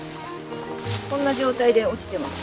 こんな状態で落ちてます。